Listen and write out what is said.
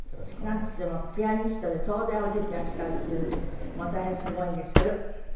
なんといってもピアニストで東大を出ていらっしゃるっていうので大変すごいんですけど。